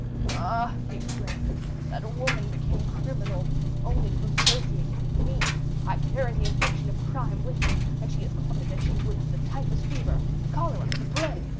"Ah," he exclaimed, "that woman became criminal only from associating with me! I carried the infection of crime with me, and she has caught it as she would the typhus fever, the cholera, the plague!